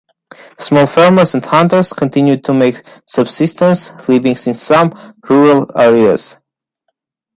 Small farmers and hunters continued to make subsistence livings in some rural areas.